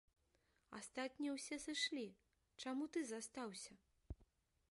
Астатнія ўсе сышлі, чаму ты застаўся?